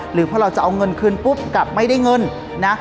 หรือพอเราจะเอาเงินคืนปุ๊บกลับไม่ได้เงินนะ